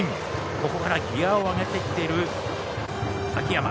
ここからギヤを上げてきている秋山。